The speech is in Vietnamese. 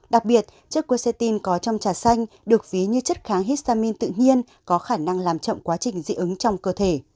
đặc biệt chất cuatine có trong trà xanh được ví như chất kháng histamin tự nhiên có khả năng làm chậm quá trình dị ứng trong cơ thể